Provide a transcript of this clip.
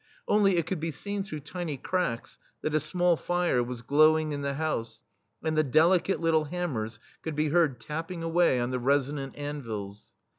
Only, it could be seen through tiny cracks, that a small fire was glowing in the house, and the delicate little ham mers could be heard tapping away on the resonant anvils.